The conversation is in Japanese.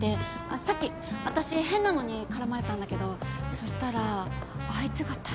さっきあたし変なのに絡まれたんだけどそしたらあいつが助けてくれて。